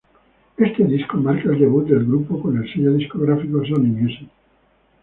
Este disco marca el debut del grupo con el sello discográfico Sony Music.